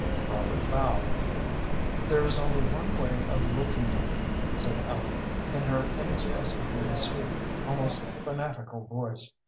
Robert bowed. "There is only one way of looking at it," said Ellen, in her inexpressibly sweet, almost fanatical voice.